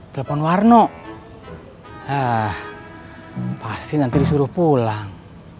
telepon warno pasti nanti disuruh pulang